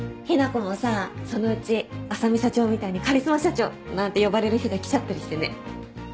雛子もさそのうち浅海社長みたいに「カリスマ社長」なんて呼ばれる日が来ちゃったりしてね。